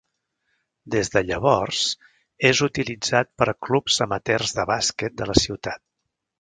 Des de llavors és utilitzat per clubs amateurs de bàsquet de la ciutat.